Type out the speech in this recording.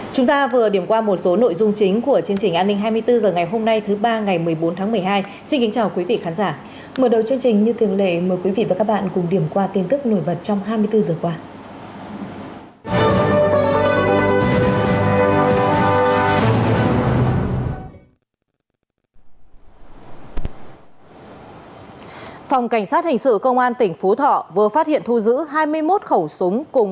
chúng ta vừa điểm qua một số nội dung chính của chương trình an ninh hai mươi bốn h ngày hôm nay thứ ba ngày một mươi bốn tháng một mươi hai